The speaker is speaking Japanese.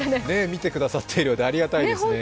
見てくださっているようでありがたいですね。